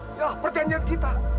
ini adalah perjanjian kita